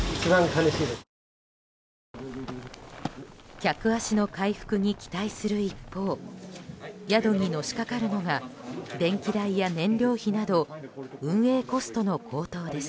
客足の回復に期待する一方宿にのしかかるのが電気代や燃料費など運営コストの高騰です。